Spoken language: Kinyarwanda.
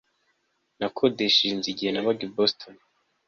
Nakodesheje inzu igihe nabaga i Boston